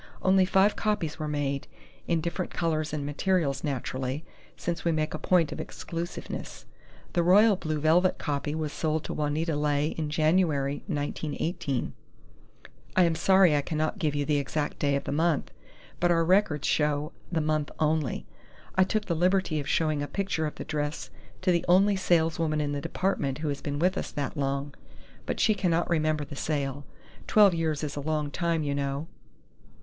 Only five copies were made in different colors and materials, naturally, since we make a point of exclusiveness. The royal blue velvet copy was sold to Juanita Leigh in January, 1918. I am sorry I cannot give you the exact day of the month, but our records show the month only. I took the liberty of showing a picture of the dress to the only saleswoman in the department who has been with us that long, but she cannot remember the sale. Twelve years is a long time, you know."